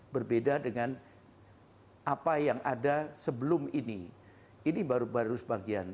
berbeda dengan apa yang ada sebelum ini ini baru baru sebagian